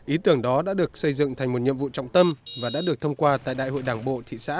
ý tưởng đó đã được xây dựng thành một nhiệm vụ trọng tâm và đã được thông qua tại đại hội đảng bộ thị xã